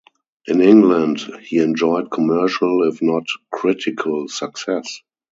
In England, he enjoyed commercial if not critical success.